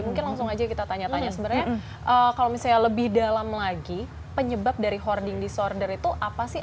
mungkin langsung aja kita tanya tanya sebenarnya kalau misalnya lebih dalam lagi penyebab dari hoarding disorder itu apa sih